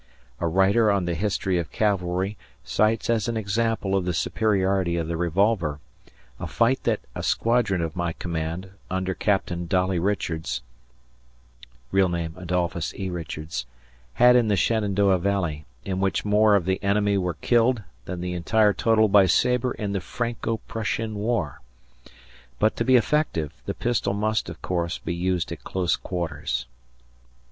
A writer on the history of cavalry cites as an example of the superiority of the revolver a fight that a squadron of my command, under Captain Dolly 1 Richards, had in the Shenandoah Valley, in which more of the enemy were killed than the entire total by sabre in the Franco Prussian War. But, to be effective, the pistol must, of course, be used at close quarters.